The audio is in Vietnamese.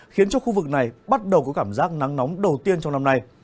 khiến cho khu vực này bắt đầu có cảm giác nắng nóng đầu tiên trong năm nay